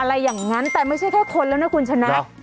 อะไรอย่างนั้นแต่ไม่ใช่แค่คนแล้วนะคุณชนะ